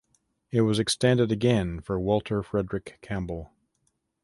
It was extended again for Walter Frederick Campbell.